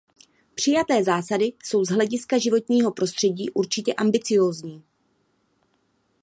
Přijaté zásady jsou z hlediska životního prostředí určitě ambiciózní.